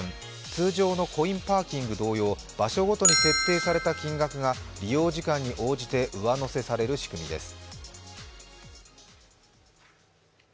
通常のコインパーキング同様、場所ごとに設定された金額が利用時間に応じて上乗せされる仕組みです。